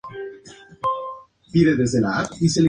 A donde, ocurren los eventos más importantes del partido.